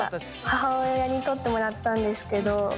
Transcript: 母親に撮ってもらったんですけど。